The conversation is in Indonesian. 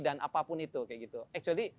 dan apapun itu actually